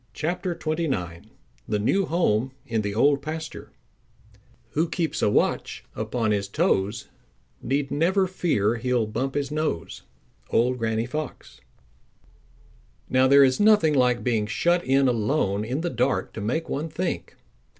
CHAPTER XXIX The New Home In The Old Pasture Who keeps a watch upon his toes Need never fear he'll bump his nose. —Old Granny Fox. Now there is nothing like being shut in alone in the dark to make one think.